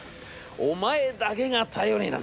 お前だけが頼りなんだ。